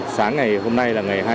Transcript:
sáng ngày hôm nay là ngày hai mươi tám